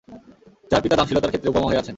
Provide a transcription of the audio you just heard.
যার পিতা দানশীলতার ক্ষেত্রে উপমা হয়ে আছেন।